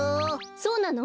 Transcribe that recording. そうなの？